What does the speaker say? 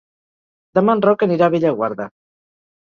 Demà en Roc anirà a Bellaguarda.